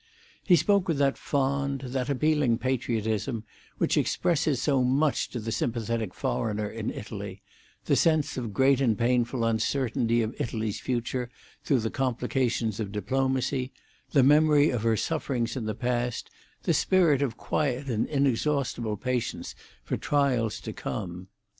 He spoke with that fond, that appealing patriotism, which expresses so much to the sympathetic foreigner in Italy: the sense of great and painful uncertainty of Italy's future through the complications of diplomacy, the memory of her sufferings in the past, the spirit of quiet and inexhaustible patience for trials to come.